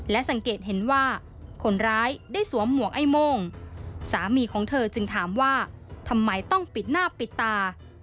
สังเกตเห็นว่าคนร้ายได้สวมหมวกไอ้โม่งสามีของเธอจึงถามว่าทำไมต้องปิดหน้าปิดตา